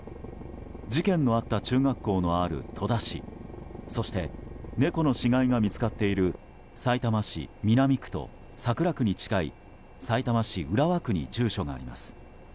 事件のあった中学校のある戸田市そして猫の死骸が見つかっているさいたま市南区と桜区に近いさいたま市浦和区に住所があります。